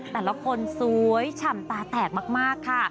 แต่ละคนสวยฉ่ำตาแตกมากค่ะ